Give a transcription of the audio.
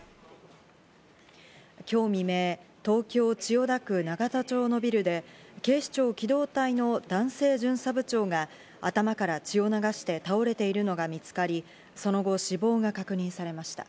今日未明、東京・千代田区永田町のビルで、警視庁機動隊の男性巡査部長が、頭から血を流して倒れているのが見つかり、その後、死亡が確認されました。